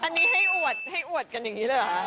อันนี้ให้อวดให้อวดกันอย่างนี้เลยเหรอคะ